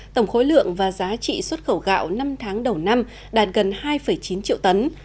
tổng khối lượng và giá trị xuất khẩu gạo năm tháng đầu năm đạt gần hai chín triệu tấn